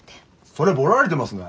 それぼられてますね。